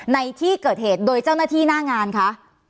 ในที่เกิดเหตุโดยเจ้าหน้าที่หน้างานคะ